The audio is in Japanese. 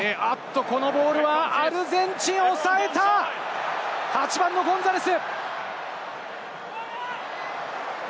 このボールはアルゼンチンをおさえた、８番のゴンザレス。